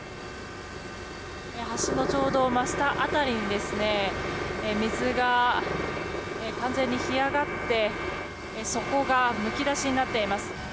橋のちょうど真下辺りに水が完全に干上がって底がむき出しになっています。